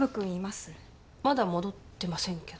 まだ戻ってませんけど。